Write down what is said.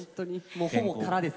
ほぼ空です。